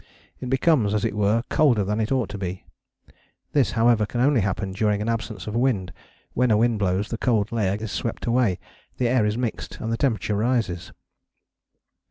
It becomes, as it were, colder than it ought to be. This, however, can only happen during an absence of wind: when a wind blows the cold layer is swept away, the air is mixed and the temperature rises.